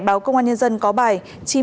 báo công an nhân dân có bài